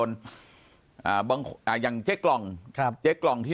ปากกับภาคภูมิ